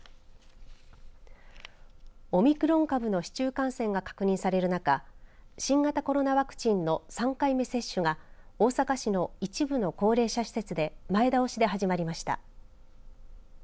オミクロン株の市中感染が確認される中新型コロナワクチンの３回目接種が大阪市の一部の高齢者施設で前倒しで始まりました。